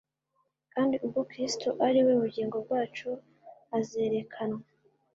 « Kandi ubwo Kristo ari we bugingo bwacu azerekanwa,